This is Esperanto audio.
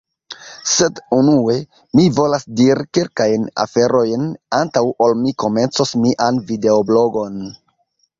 Sed unue, mi volas diri kelkajn aferojn, antaŭ ol mi komencos mian videoblogon.